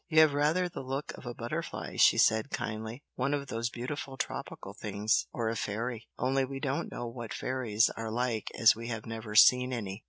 "You have rather the look of a butterfly!" she said, kindly "One of those beautiful tropical things or a fairy! only we don't know what fairies are like as we have never seen any!"